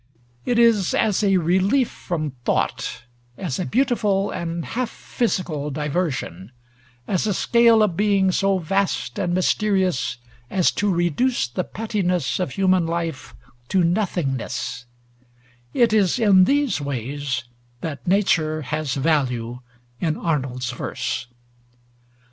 It is as a relief from thought, as a beautiful and half physical diversion, as a scale of being so vast and mysterious as to reduce the pettiness of human life to nothingness, it is in these ways that nature has value in Arnold's verse.